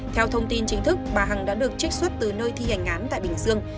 theo thông tin chính thức bà hằng đã được trích xuất từ nơi thi hành án tại bình dương